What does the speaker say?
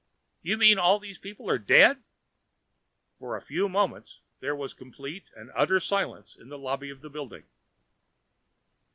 "You mean all these people are dead?" For a few moments there was complete and utter silence in the lobby of the building.